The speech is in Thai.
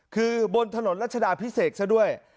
คือบนถนนรัชดาพิเศษซะด้วย